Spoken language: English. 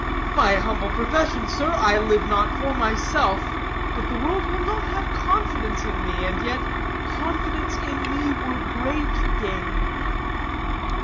"My humble profession, sir. I live not for myself; but the world will not have confidence in me, and yet confidence in me were great gain."